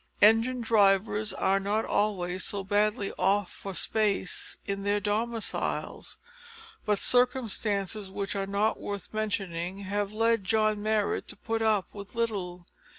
Engine drivers are not always so badly off for space in their domiciles, but circumstances which are not worth mentioning have led John Marrot to put up with little.